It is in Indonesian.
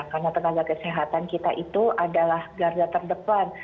karena tenaga kesehatan kita itu adalah garda terdepan